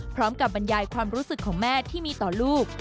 บรรยายความรู้สึกของแม่ที่มีต่อลูก